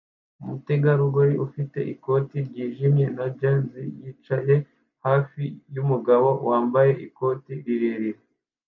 Umutegarugori ufite ikoti ryijimye na jans yicaye hafi yumugabo wambaye ikote rirerire